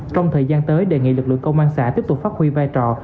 trong thời gian tới đề nghị lực lượng công an xã tiếp tục phát huy vai trò